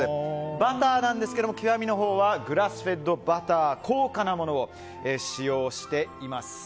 バターですが極のほうはグラスフェッドバター高価なものを使用しています。